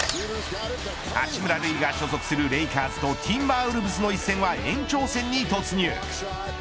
八村塁が所属するレイカーズとティンバーウルブズの一戦は延長戦に突入。